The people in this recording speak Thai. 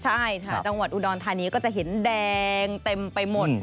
ใช่ค่ะจังหวัดอุดรธานีก็จะเห็นแดงเต็มไปหมด